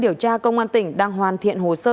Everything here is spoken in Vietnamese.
điều tra công an tỉnh đang hoàn thiện hồ sơ